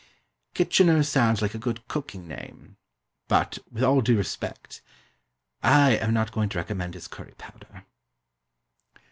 "Kitchener" sounds like a good cooking name; but, with all due respect, I am not going to recommend his curry powder.